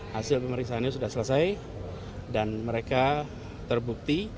hasil pemeriksaannya sudah selesai dan mereka terbukti